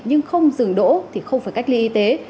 nhưng không dừng đỗ thì không phải cách ly y tế